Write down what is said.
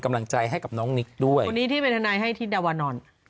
กำลังใจให้กับน้องนิกด้วยคนนี้ที่เป็นทนายให้ทิศดาวานอน